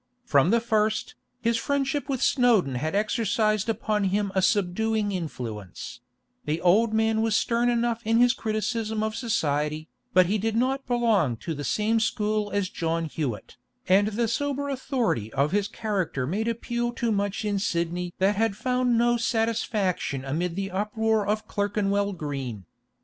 From the first, his friendship with Snowdon had exercised upon him a subduing influence; the old man was stern enough in his criticism of society, but he did not belong to the same school as John Hewett, and the sober authority of his character made appeal to much in Sidney that had found no satisfaction amid the uproar of Clerkenwell Green.